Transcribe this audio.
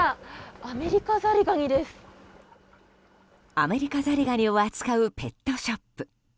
アメリカザリガニを扱うペットショップ。